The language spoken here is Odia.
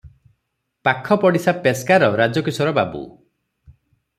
ପାଖ ପଡ଼ିଶା ପେସ୍କାର ରାଜକିଶୋର ବାବୁ ।